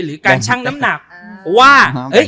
หรือการชั่งน้ำหนักว่า